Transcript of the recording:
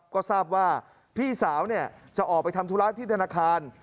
ก็ทราบว่าพี่สาวจะออกไปทำธุระที่ธนาคาร